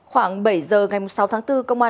khoảng bảy giờ ngày sáu tháng bốn